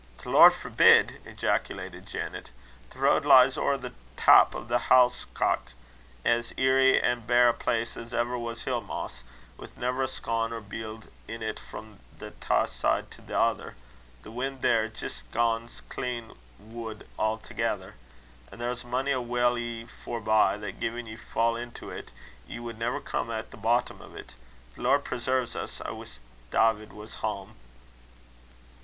"The Lord forbid!" ejaculated Janet. "The road lies ower the tap o' the Halshach, as eerie and bare a place as ever was hill moss, wi' never a scoug or bield in't, frae the tae side to the tither. The win' there jist gangs clean wud a'thegither. An' there's mony a well ee forbye, that gin ye fell intill't, ye wud never come at the boddom o't. The Lord preserve's! I wis' Dawvid was hame."